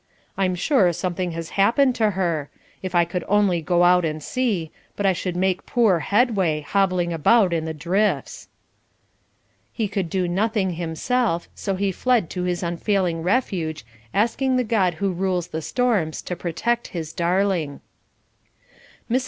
"I'm sure something has happened to her. If I could only go out and see, but I should make poor headway, hobbling about in the drifts." He could do nothing himself, so he fled to his unfailing refuge, asking the God who rules the storms to protect his darling. Mrs.